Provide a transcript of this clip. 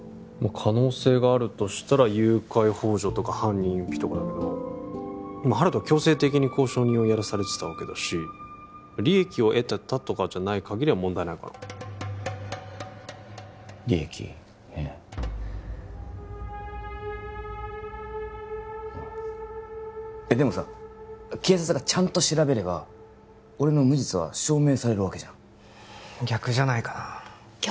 可能性があるとしたら誘拐ほう助とか犯人隠避とかだけど温人は強制的に交渉人をやらされてたわけだし利益を得てたとかじゃないかぎりは問題ないかな利益ねでもさ警察がちゃんと調べれば俺の無実は証明されるわけじゃん逆じゃないかな逆？